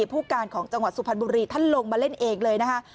ผู้การของจังหวัดสุพรรณบุรีท่านลงมาเล่นเองเลยนะคะ